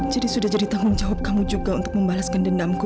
jadi sudah jadi tanggung jawab kamu juga untuk membalaskan dendamku